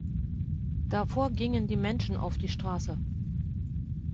Davor gingen die Menschen auf die Straße.